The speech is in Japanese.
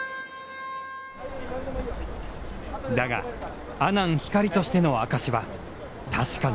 だが阿南光としての証は、確かに。